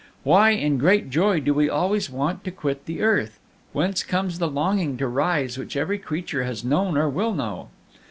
"Why in great joy do we always want to quit the earth? whence comes the longing to rise which every creature has known or will know?